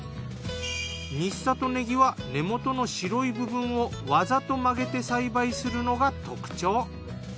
新里ねぎは根元の白い部分をわざと曲げて栽培するのが特徴。